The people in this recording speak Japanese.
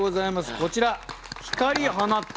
こちら「光放つて」。